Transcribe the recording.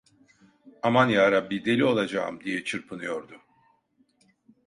"Aman yarabbi deli olacağım!" diye çırpınıyordu.